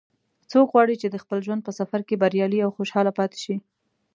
څوک غواړي چې د خپل ژوند په سفر کې بریالی او خوشحاله پاتې شي